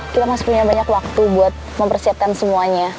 kita masih punya banyak waktu buat mempersiapkan semuanya